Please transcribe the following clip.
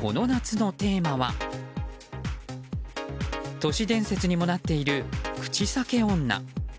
この夏のテーマは都市伝説にもなっている口裂け女。